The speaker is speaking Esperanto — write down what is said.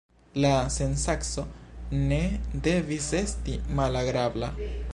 La sensaco ne devis esti malagrabla.